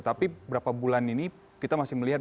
tapi berapa bulan ini kita masih melihat